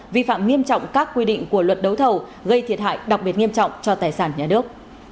vi phạm nghiêm trọng các quy định của luật đấu thầu gây thiệt hại đặc biệt nghiêm trọng cho tài sản nhà nước